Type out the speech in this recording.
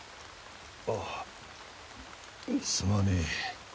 ああすまねえ。